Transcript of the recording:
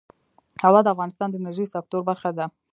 هوا د افغانستان د انرژۍ سکتور برخه ده.